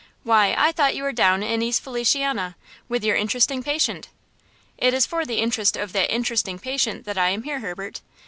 Why I thought you were down in East Feliciana, with your interesting patient!" "It is for the interest of that 'interesting patient' that I am here, Herbert!